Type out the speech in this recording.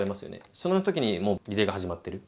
その時にもうリレーが始まってる。